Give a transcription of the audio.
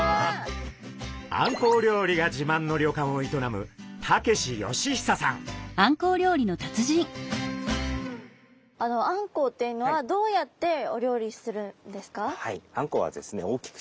あんこう料理がじまんの旅館を営むあんこうっていうのはどうやってお料理するんですか？